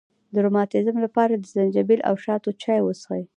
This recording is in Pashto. د روماتیزم لپاره د زنجبیل او شاتو چای وڅښئ